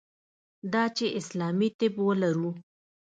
دا چې اسلامي طب ولرو.